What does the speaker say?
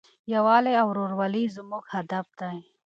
یووالی او ورورولي زموږ هدف دی.